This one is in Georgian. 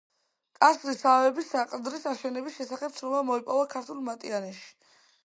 კასრის სამების საყდრის აშენების შესახებ ცნობა მოიპოვება ქართულ მატიანეში.